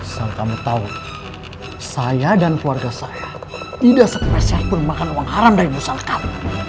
yang kamu tahu saya dan keluarga saya tidak sekelasan pun makan uang haram dari musaka